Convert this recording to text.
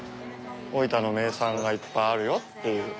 大分の名産がいっぱいあるよっていう。